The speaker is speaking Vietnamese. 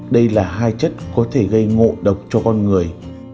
đây là hai chất có thể gây ngộ độc cho con người